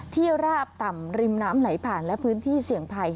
ราบต่ำริมน้ำไหลผ่านและพื้นที่เสี่ยงภัย